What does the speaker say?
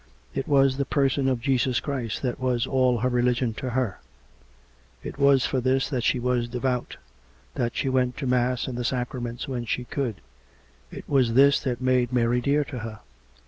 It was the Person of Jesus Christ that was all her religion to her; it was for this that she was devout, that she went to mass and the sacraments when she could; it was this that made Mary dear to her.